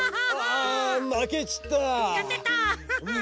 ・あまけちったなあ。